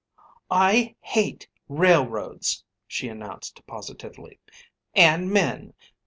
"I hate railroads," she announced positively. "And men.